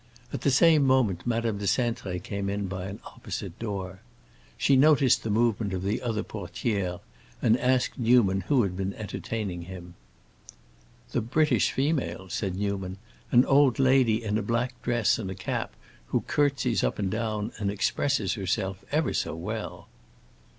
At the same moment Madame de Cintré came in by an opposite door. She noticed the movement of the other portière and asked Newman who had been entertaining him. "The British female!" said Newman. "An old lady in a black dress and a cap, who curtsies up and down, and expresses herself ever so well."